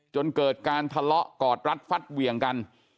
จนเกิดการทะเลาะกอดรัดฟัดเหวี่ยงกัน